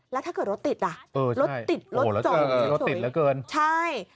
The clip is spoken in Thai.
แล้วถ้าเกิดรถติดรถติดรถจอหุ่นสวย